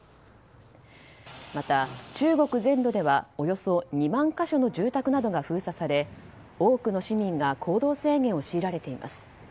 また、中国全土ではおよそ２万か所の住宅などが封鎖され、多くの市民が行動制限を強いられています。